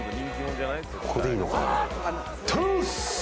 ここでいいのかな？